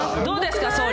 どうですか？